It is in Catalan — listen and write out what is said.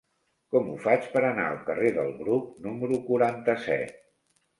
Com ho faig per anar al carrer del Bruc número quaranta-set?